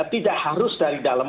ya tidak harus dari dalam ya